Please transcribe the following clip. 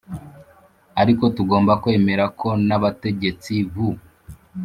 ariko tugomba kwemera ko n'abategetsi b'u